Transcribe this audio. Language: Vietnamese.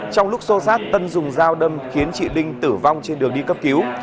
trong lúc sô sát tân dùng dao đâm khiến chị linh tử vong trên đường đi cấp cứu